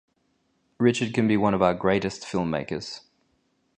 Richard can be one of our greatest filmmakers.